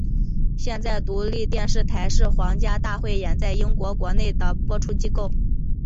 现在独立电视台是皇家大汇演在英国国内的播出机构。